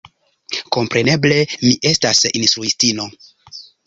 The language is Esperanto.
Kompreneble mi estas instruistino.